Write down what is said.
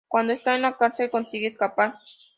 Cuándo está en la cárcel consigue escapar.